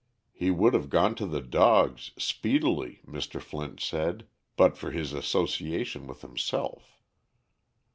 He would have gone to the dogs, speedily, Mr. Flint said, but for his association with himself.